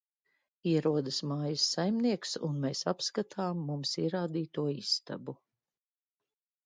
Ierodas mājas saimnieks, un mēs apskatām mums ierādīto istabu.